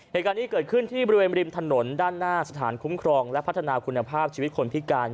เหตุการณ์นี้เกิดขึ้นที่บริเวณริมถนนด้านหน้าสถานคุ้มครองและพัฒนาคุณภาพชีวิตคนพิการ